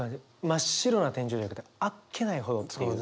「真っ白な天井」じゃなくて「あっけないほど」っていう。